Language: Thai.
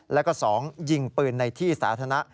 แล้วก็๒ยิงปืนในที่สาธารณะ